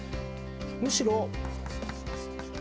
むしろ。